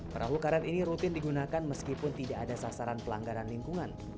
perahu karet ini rutin digunakan meskipun tidak ada sasaran pelanggaran lingkungan